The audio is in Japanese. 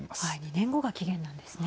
２年後が期限なんですね。